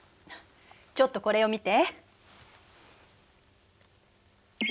ちょっとこれを見て。